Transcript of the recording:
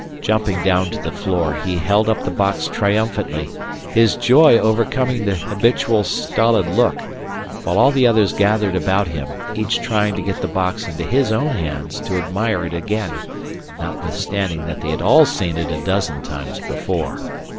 Jumping down to the floor, he held up the box triumphantly, his joy overcoming the habitual stolid look; while all the others gathered about him, each trying to get the box into his own hands to admire it again, notwithstanding that they had all seen it a dozen times before.